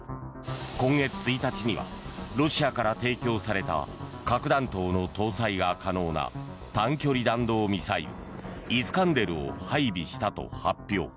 今月１日にはロシアから提供された核弾頭の搭載が可能な短距離弾道ミサイルイスカンデルを配備したと発表。